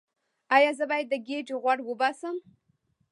ایا زه باید د ګیډې غوړ وباسم؟